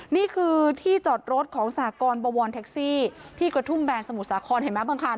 นี่คือที่จอดรถของสหกรบวรแท็กซี่ที่กระทุ่มแบนสมุทรสาครเห็นไหมบางคัน